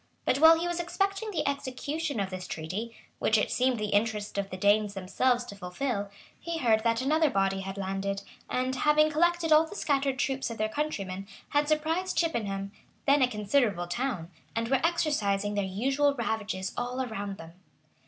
But while he was expecting the execution of this treaty, which it seemed the interest of the Danes themselves to fulfil, he heard that another body had landed, and, having collected all the scattered troops of their country men, had surprised Chippenham, then a considerable town, and were exercising their usual ravages all around them.